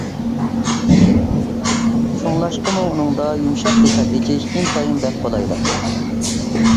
شۇڭلاشقىمۇ ئۇنىڭدا يۇمشاق دېتال ئېچىش ئىنتايىن بەك قولايلىق.